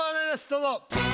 どうぞ。